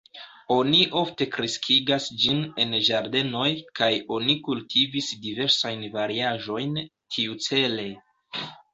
Oni ofte kreskigas ĝin en ĝardenoj kaj oni kultivis diversajn variaĵojn tiucele.